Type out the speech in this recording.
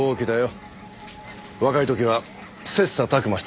若い時は切磋琢磨した仲でね。